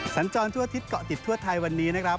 สัญจรทั่วอาทิตยเกาะติดทั่วไทยวันนี้นะครับ